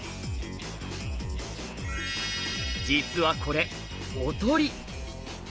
実はこれおとり。